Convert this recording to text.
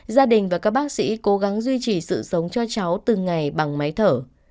gia đình và các bác sĩ cố gắng duy trì sự sống cho cháu từng ngày bằng máy thở